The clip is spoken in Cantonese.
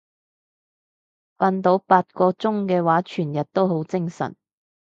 瞓到八個鐘嘅話全日都好精神